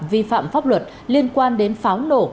vi phạm pháp luật liên quan đến pháo nổ